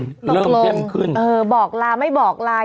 ตรงตรงบอกลาไม่บอกลาย